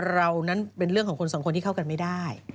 เรานั้นเป็นเรื่องของคนสองคนที่เข้ากันไม่ได้